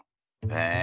え！